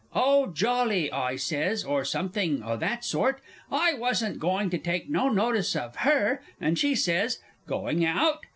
"Oh, jolly," I says, or somethink o' that sort I wasn't going to take no notice of her and she says, "Going out?"